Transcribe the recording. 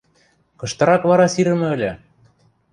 – Кыштырак вара сирӹмӹ ыльы?